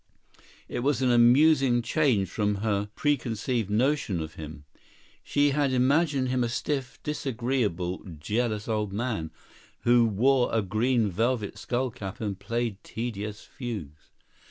It was an amusing change from her preconceived notion of him. She had imagined him a stiff, disagreeable, jealous old man, who wore a green velvet skull cap and played tedious fugues.